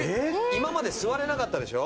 今まで座れなかったでしょ？